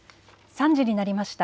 ３時になりました。